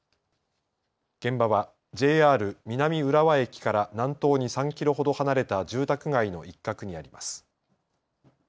現場はＪＲ南浦和駅から南東に３キロほど離れた住宅街の一角にあります。